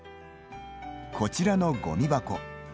こちらのごみ箱。